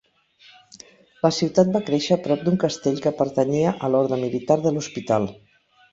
La ciutat va créixer prop d'un castell que pertanyia a l'orde militar de l'Hospital.